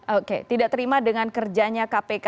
oke tidak terima dengan kerjanya kpk